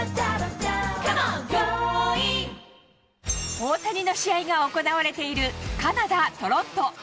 大谷の試合が行われているカナダ・トロント。